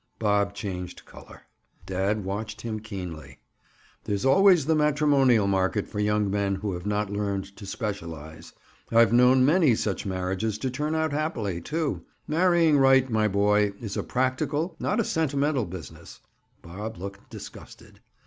Bob changed color. Dad watched him keenly. "There's always the matrimonial market for young men who have not learned to specialize. I've known many such marriages to turn out happily, too. Marrying right, my boy, is a practical, not a sentimental business." Bob looked disgusted.